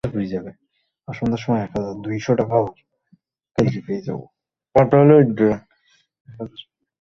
তাহলেই নিঃশঙ্কচিত্তে হৃদয় খুলে একটু বসে বসে, দুলে দুলে গান শোনা যাবে।